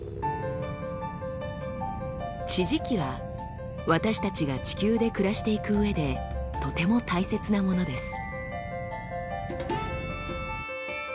地磁気は私たちが地球で暮らしていくうえでとても大切なものです。